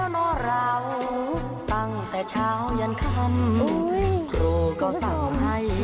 แล้วเหรอเราตั้งแต่เช้ายันคันโครก็สั่งให้ทำ